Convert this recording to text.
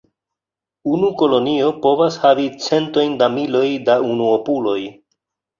Unu kolonio povas havi centojn da miloj da unuopuloj.